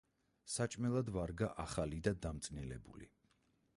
საჭმელად ვარგა ახალი და დამწნილებული.